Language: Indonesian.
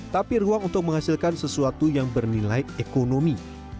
tapi ruang untuk menghasilkan sesuatu yang bernilai ekonomi